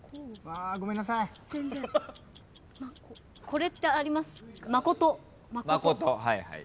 これってあります？